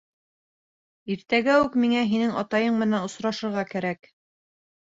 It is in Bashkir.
Иртәгә үк миңә һинең атайың менән осрашырға кәрәк.